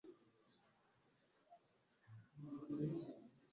The Soweto Gospel Choir